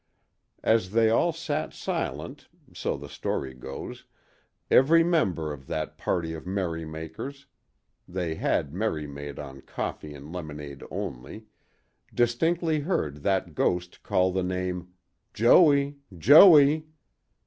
As they all sat silent (so the story goes) every member of that party of merrymakers—they had merry made on coffee and lemonade only—distinctly heard that ghost call the name "Joey, Joey!"